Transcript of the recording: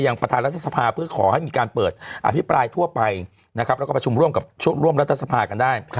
อย่างประธานรัฐศพาเพื่อขอให้มีการเปิดอธิปรายทั่วไปแล้วก็ประชุมร่วมรัฐศพากันได้